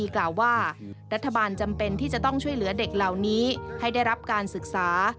กล่าวว่ารัฐบาลจำเป็นที่จะต้องช่วยเหลือเด็กเหล่านี้ให้ได้รับการศึกษา